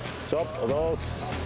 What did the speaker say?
おはようございます。